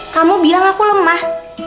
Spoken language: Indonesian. kamu bilang aku lemah